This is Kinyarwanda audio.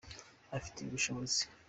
abifitiye ubushobozi.